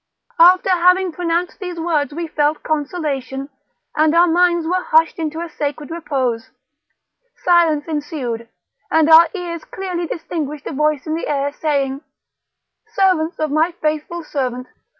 After having pronounced these words we felt consolation, and our minds were hushed into a sacred repose; silence ensued, and our ears clearly distinguished a voice in the air, saying: 'Servants of my faithful servant!